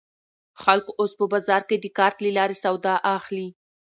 خلک اوس په بازار کې د کارت له لارې سودا اخلي.